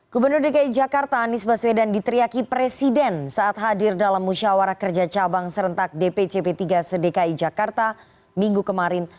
gubernur dki jakarta anies baswedan diteriaki presiden saat hadir dalam musyawarah kerja cabang serentak dpc p tiga se dki jakarta minggu kemarin